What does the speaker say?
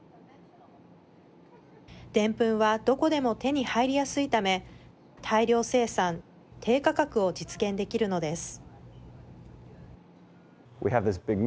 でんぷんはどこでも手に入りやすいため大量生産、低価格を実現できるのです。